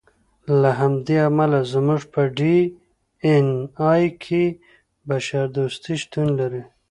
له همدې امله زموږ په ډي اېن اې کې بشر دوستي شتون لري.